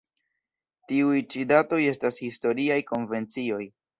Tiuj ĉi datoj estas historiaj konvencioj.